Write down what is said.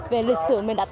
về lịch sử mình đã tạo ra